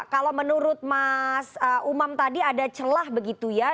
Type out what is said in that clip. kalau menurut mas umam tadi ada celah begitu ya